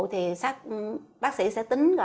thì bác sĩ sẽ tính